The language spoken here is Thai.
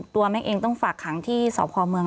ตัวแม่งต้องฝากคังที่เสาพอดอนเมือง